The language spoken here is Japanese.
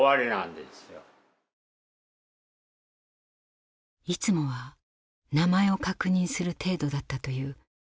いつもは名前を確認する程度だったという入国手続き。